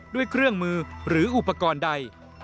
ด้วยเครื่องมือหรืออุปกรณ์ใด